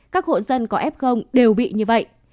các hộ dân có f đều bị như vậy